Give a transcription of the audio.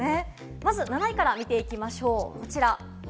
まず７位から見ていきましょう。